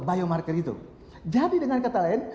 biomarker itu jadi dengan kata lain